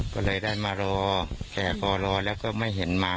ก็เลยได้มารอแต่พอรอแล้วก็ไม่เห็นมา